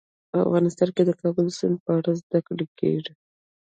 افغانستان کې د کابل سیند په اړه زده کړه کېږي.